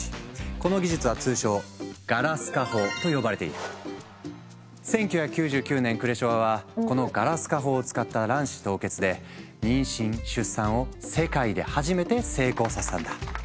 この技術は通称１９９９年クレショワはこのガラス化法を使った卵子凍結で妊娠出産を世界で初めて成功させたんだ。